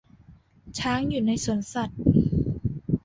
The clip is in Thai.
ช้างอยู่ในสวนสัตว์